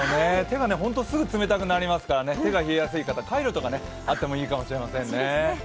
手がホント、すぐ冷たくなりますからね、手が冷えやすい方カイロとかあってもいいかもしれませんね。